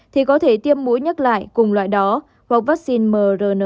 thì có thể tiêm mũi nhắc lại cùng loại đó hoặc vaccine mrn